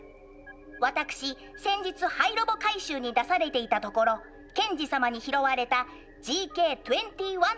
私先日廃ロボ回収に出されていたところケンジ様に拾われたＧＫ２１と申します。